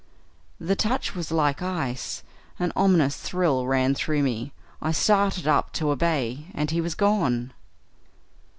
The touch was like ice; an ominous thrill ran through me; I started up to obey, and he was gone."